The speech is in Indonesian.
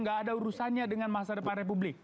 gak ada urusannya dengan masa depan republik